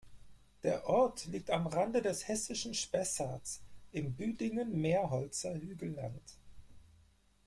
Der Ort liegt am Rande des hessischen Spessarts im Büdingen-Meerholzer Hügelland.